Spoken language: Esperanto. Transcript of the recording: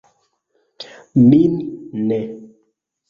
Min ne.